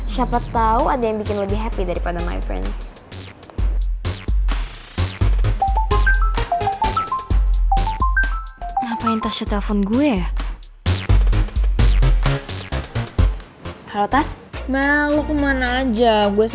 siapa tau ada yang bikin lebih happy daripada my friends